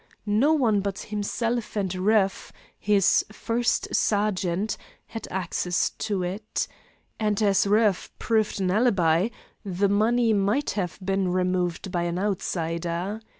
No one but himself and Rueff, his first sergeant, had access to it. And as Rueff proved an alibi, the money might have been removed by an outsider.